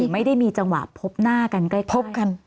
ไม่ได้มีจังหวะพบหน้ากันใกล้พบกัน